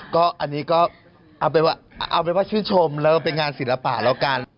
ก็อันนี้ก็เอาเป็นว่าชื่นชมแล้วเป็นงานศิลปะแล้วกัน